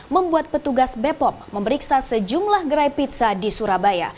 membuat petugas bepom memeriksa sejumlah gerai pizza di surabaya